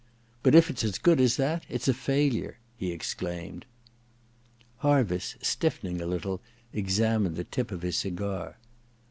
* But if it's as good as that it's a failure !' he exclaimed. Harviss, stiffening a little, examined the tip of his cigar.